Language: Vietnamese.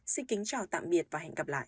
xin kính chào tạm biệt và hẹn gặp lại